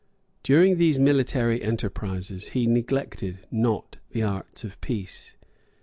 ] During these military enterprises, he neglected not the arts of peace.